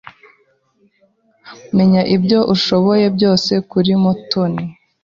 Menya ibyo ushoboye byose kuri Mutoni.